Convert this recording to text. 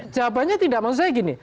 jawabannya tidak maksudnya gini